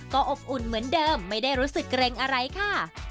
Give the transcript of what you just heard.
ก็อบอุ่นเหมือนเดิมไม่ได้รู้สึกเกร็งอะไรค่ะ